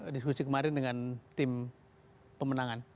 diskusi kemarin dengan tim pemenangan